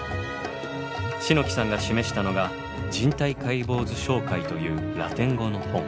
篠木さんが示したのが「人体解剖図詳解」というラテン語の本。